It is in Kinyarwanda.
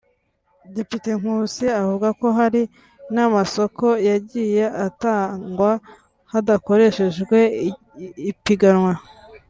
Depite Nkusi avuga ko hari n’amasoko yagiye atangwa hadakoreshejwe ipiganwa